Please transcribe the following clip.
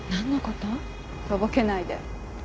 とぼけないで。